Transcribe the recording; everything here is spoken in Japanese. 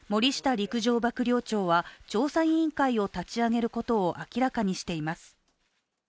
陸上幕僚長は、調査委員会を立ち上げることを明らかにしています。